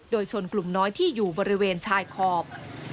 โดยชนกลุ่มน้อยที่อยู่บริเวณชายขอบ